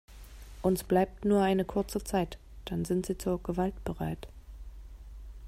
Uns bleibt nur eine kurze Zeit, dann sind sie zur Gewalt bereit.